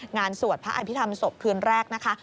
สวดพระอภิษฐรรมศพคืนแรกนะคะ